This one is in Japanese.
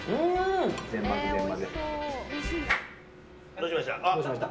どうしました？